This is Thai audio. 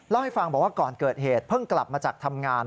เล่าให้ฟังบอกว่าก่อนเกิดเหตุเพิ่งกลับมาจากทำงาน